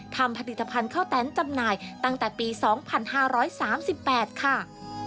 ทำผลิตภัณฑ์ข้าวแตนจำหน่ายตั้งแต่ปีสองพันห้าร้อยสามสิบแปดค่ะ